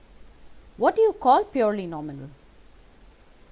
"'What do you call purely nominal?